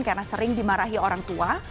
karena sering dimarahi orang tua